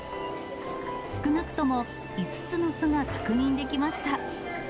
少なくとも５つの巣が確認できました。